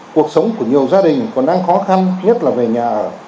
cuộc sống của nhiều gia đình còn đang khó khăn nhất là về nhà ở